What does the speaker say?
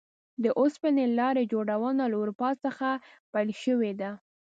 د اوسپنې لارې جوړونه له اروپا څخه پیل شوې ده.